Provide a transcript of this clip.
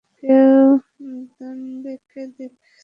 কেউ দান্তেকে দেখেছ?